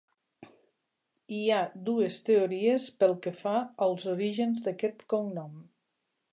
Hi ha dues teories pel que fa als orígens d'aquest cognom.